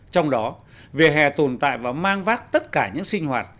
trong đó vỉa hè tồn tại và mang vác tất cả những sinh hoạt